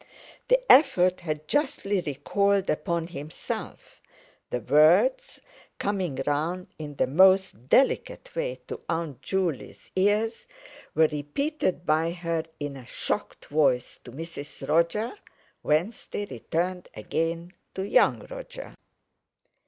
The effort had justly recoiled upon himself; the words, coming round in the most delicate way to Aunt Juley's ears, were repeated by her in a shocked voice to Mrs. Roger, whence they returned again to young Roger.